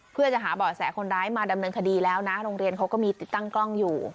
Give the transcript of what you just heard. เพื่อจะหาเบาะแสคนร้ายมาดำเนินคดีแล้วนะโรงเรียนเขาก็มีติดตั้งกล้องอยู่